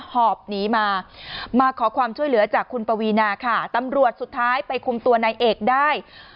หอบหนีมามาขอความช่วยเหลือจากคุณปวีนาค่ะตำรวจสุดท้ายไปคุมตัวนายเอกได้